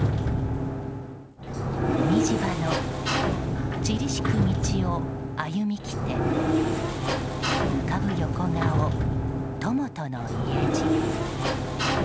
「もみぢ葉の散り敷く道を歩みきて浮かぶ横顔友との家路」。